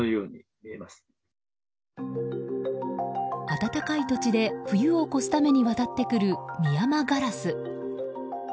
暖かい土地で冬を越すために渡ってくるミヤマガラス。